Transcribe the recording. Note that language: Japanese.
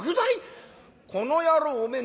この野郎おめえ何を。